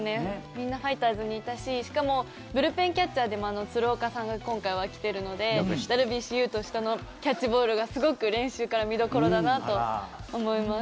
みんなファイターズにいたししかもブルペンキャッチャーでも鶴岡さんが今回は来てるのでダルビッシュ有投手とのキャッチボールがすごく練習から見どころだなと思います。